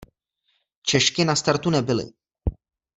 Češky na startu nebyly.